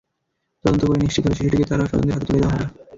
তদন্ত করে নিশ্চিত হলে শিশুটিকে তাঁর স্বজনদের হাতে তুলে দেওয়া হবে।